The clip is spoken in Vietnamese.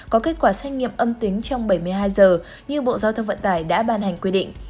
có kết quả xét nghiệm âm tính trong bảy mươi hai giờ như bộ giao thông vận tải đã ban hành quy định